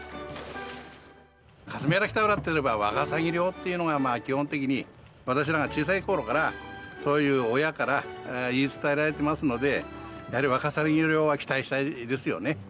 霞ヶ浦北浦っていえばワカサギ漁っていうのが基本的に私らが小さい頃からそういう親から言い伝えられてますのでやはりワカサギ漁は期待したいですよね。